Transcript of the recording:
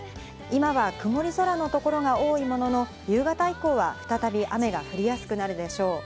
今は曇り空のところが多いものの、夕方以降は再び雨が降りやすくなるでしょう。